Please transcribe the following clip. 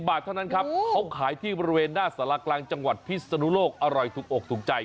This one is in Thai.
บาทเท่านั้นครับเขาขายที่บริเวณหน้าสารกลางจังหวัดพิศนุโลกอร่อยถูกอกถูกใจ